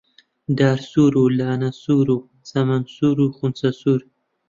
دار سوور و لالە سوور و چەمەن سوور و خونچە سوور